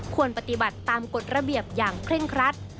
ควรปฏิบัติตามกฎระเบียบอย่างเคร่งครัด